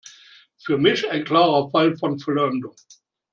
Für mich ein klarer Fall von Verleumdung.